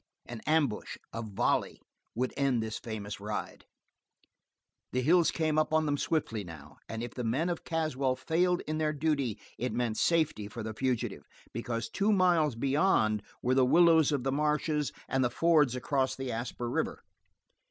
An ambush, a volley, would end this famous ride. The hills came up on them swiftly, now, and if the men of Caswell failed in their duty it meant safety for the fugitive, because two miles beyond were the willows of the marshes and the fords across the Asper River.